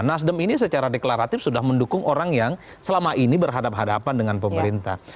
nasdem ini secara deklaratif sudah mendukung orang yang selama ini berhadapan hadapan dengan pemerintah